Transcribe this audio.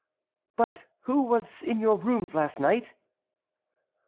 "But who was in your rooms last night?"